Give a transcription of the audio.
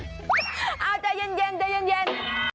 เอาใจเย็น